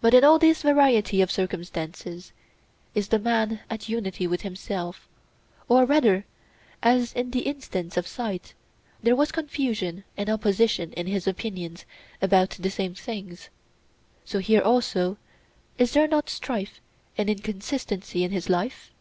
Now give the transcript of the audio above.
But in all this variety of circumstances is the man at unity with himself—or rather, as in the instance of sight there was confusion and opposition in his opinions about the same things, so here also is there not strife and inconsistency in his life?